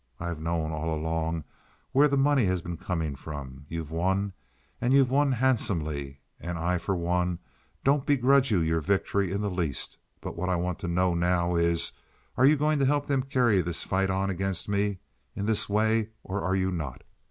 I've known all along where the money has been coming from. You've won, and you've won handsomely, and I for one don't begrudge you your victory in the least; but what I want to know now is, are you going to help them carry this fight on against me in this way, or are you not?